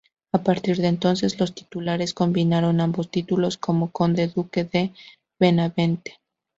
A partir de entonces los titulares combinaron ambos títulos como conde-duque de Benavente.